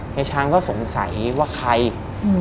ยายช้างก็สงสัยว่าใครอืม